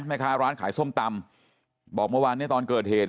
แม่ค้าร้านขายส้มตำบอกเมื่อวานเนี่ยตอนเกิดเหตุ